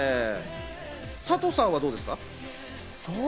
サトさんは、どうですか？